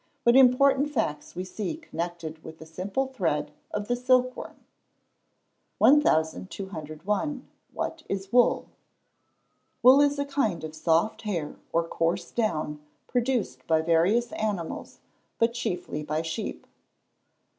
What important facts we see connected with the simple thread of the silk worm! 1201. What is wool? Wool is a kind of soft hair or coarse down, produced by various animals, but chiefly by sheep.